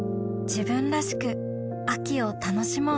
自分らしく秋を楽しもう